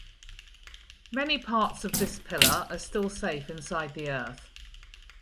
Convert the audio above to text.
Many parts of this pillar are still safe inside the earth.